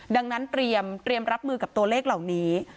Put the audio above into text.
ดังนั้นเตรียมรับมือกับตัวเลขเหล่านี้